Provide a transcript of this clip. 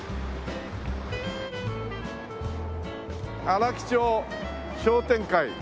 「荒木町商店会」。